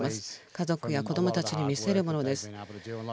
家族や子どもたちに見せるものです。